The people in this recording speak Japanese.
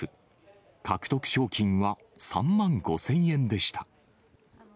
獲得賞金は３万５０００円でした。